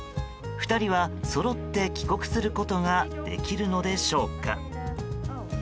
２人は、そろって帰国することができるのでしょうか？